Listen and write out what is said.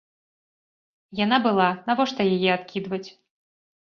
Яна была, навошта яе адкідваць?